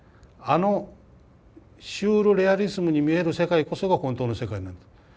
あのシュール・レアリスムに見える世界こそが本当の世界なんだと。